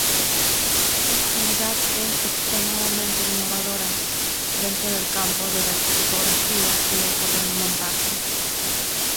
Su actividad es extremadamente innovadora dentro del campo de la tipografía y del fotomontaje.